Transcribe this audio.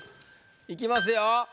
いきますよ。